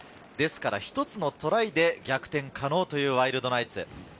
１つのトライで逆転可能というワイルドナイツ。